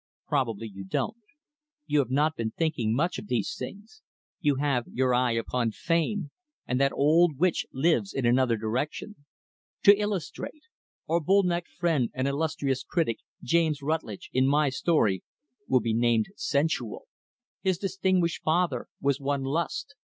"Probably you don't. You have not been thinking much of these things. You have your eye upon Fame, and that old witch lives in another direction. To illustrate our bull necked friend and illustrious critic, James Rutlidge, in my story, will be named 'Sensual.' His distinguished father was one 'Lust.'